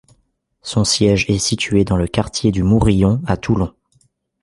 Son siège est situé dans le quartier du Mourillon à Toulon.